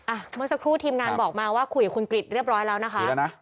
อ่าเมื่อสักครู่ทีมงานบอกมาว่าคุยกับคุณกริจเรียบร้อยแล้วนะคะเรียบร้อยแล้วนะ